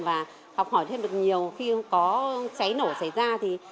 và học hỏi thêm được nhiều khi có cháy nổ xảy ra thì